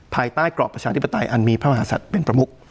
ภายใต้กรอบประชาธิปไตยอันมีพระมหาศัตริย์เป็นประมุก